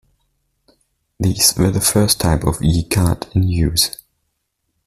These were the first type of E-card in use.